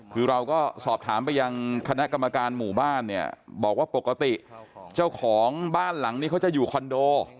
คือเราก็สอบถามไปยังคณะกรรมการหมู่บ้านเนี่ยบอกว่าปกติเจ้าของบ้านหลังนี้เขาจะอยู่คอนโด